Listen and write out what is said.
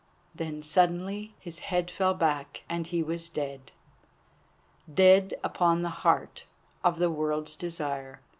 Then suddenly his head fell back, and he was dead, dead upon the heart of the World's Desire.